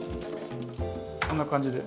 こんな感じで。